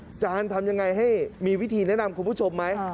อาจารย์ทำยังไงให้มีวิธีแนะนำคุณผู้ชมไหม